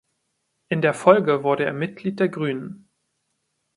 In der Folge wurde er Mitglied der Grünen.